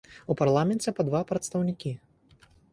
У парламенце па два прадстаўнікі.